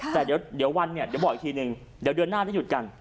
แต่เดี๋ยววันเนี่ยเดี๋ยวบอกอีกทีนึงเดี๋ยวเดือนหน้าได้หยุดกัน